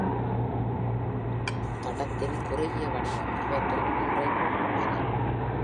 தடத்தின் குறுகிய வடிவம் இவற்றில் மூன்றைக் கொண்டுயுள்ளது.